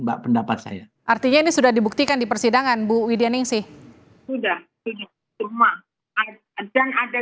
mbak pendapat saya artinya ini sudah dibuktikan di persidangan bu widia ningsih sudah semua ada dan ada